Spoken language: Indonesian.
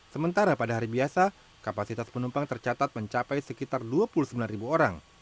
sementara pada hari biasa kapasitas penumpang tercatat mencapai sekitar dua puluh sembilan orang